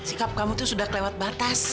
itu sudah kelewat batas